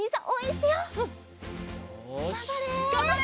がんばれ！